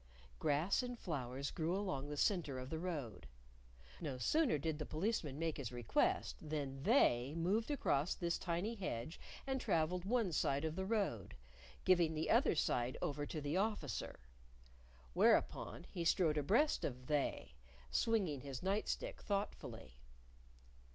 Grass and flowers grew along the center of the road. No sooner did the Policeman make his request than They moved across this tiny hedge and traveled one side of the road, giving the other side over to the Officer. Whereupon he strode abreast of They, swinging his night stick thoughtfully.